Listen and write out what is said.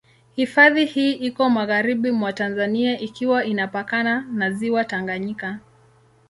Hifadhi hii iko magharibi mwa Tanzania ikiwa inapakana na Ziwa Tanganyika.